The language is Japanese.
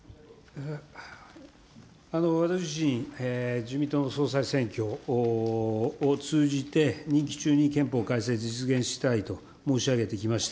私自身、自民党の総裁選挙を通じて、任期中に憲法改正実現したいと申し上げてきました。